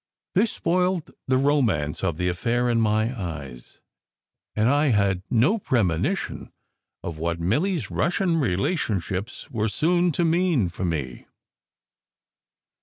This spoilt the romance of the affair in my eyes, and I had no SECRET HISTORY 267 premonition of what Milly s Russian relationships were soon to mean for me.